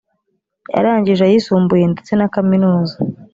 yarangije ayisumbuye ndetse na kaminuza